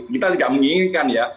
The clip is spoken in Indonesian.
kita tidak menginginkan ya